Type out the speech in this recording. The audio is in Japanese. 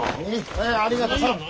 はいありがとさん。